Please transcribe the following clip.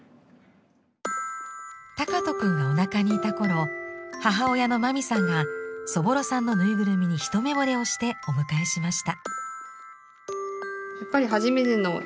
敬斗くんがおなかにいた頃母親のまみさんがそぼろさんのぬいぐるみに一目惚れをしてお迎えしました。